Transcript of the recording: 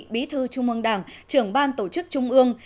bí thư trung ương đảng trưởng ban tổ chức trung ương